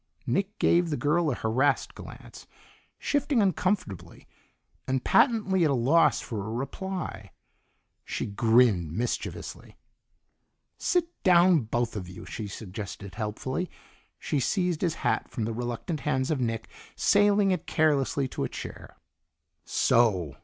Nick gave the girl a harassed glance, shifting uncomfortably, and patently at a loss for a reply. She grinned mischievously. "Sit down, both of you," she suggested helpfully. She seized his hat from the reluctant hands of Nick, sailing it carelessly to a chair. "So!"